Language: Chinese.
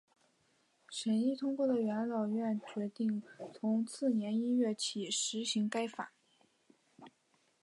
审议通过的元老院决定从次年一月起施行该法。